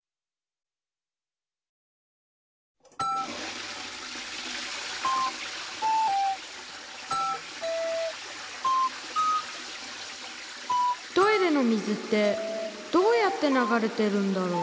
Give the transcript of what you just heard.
トイレの水ってどうやって流れてるんだろう？